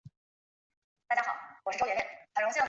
英国途易飞航空的总部位于英国卢顿。